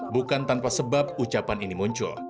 bukan tanpa sebab ucapan ini muncul